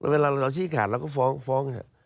เวลาเราชี้ขาดเราก็ฟ้องฟ้อง